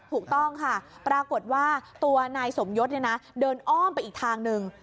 ถูกต้องค่ะปรากฏว่าตัวนายสมยศเดินอ้อมไปอีกทางหนึ่ง